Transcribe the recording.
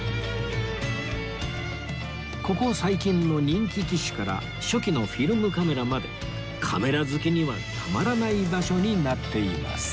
ここ最近の人気機種から初期のフィルムカメラまでカメラ好きにはたまらない場所になっています